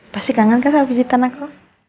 pasti kangen kan soal pijitan aku